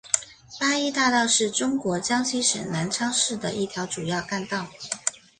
八一大道是中国江西省南昌市的一条主要干道。